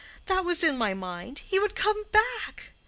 That was in my mind—he would come back.